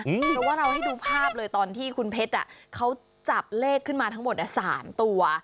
เพราะว่าเราให้ดูภาพเลยตอนที่คุณเพชรเขาจับเลขขึ้นมาทั้งหมด๓ตัว